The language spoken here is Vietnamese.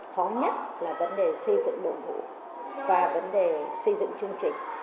khó nhất là vấn đề xây dựng đội ngũ và vấn đề xây dựng chương trình